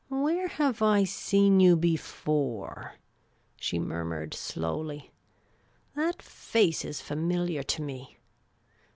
" Where have I seen j'ou before?" she murmured slowly. "That face is familiar to me.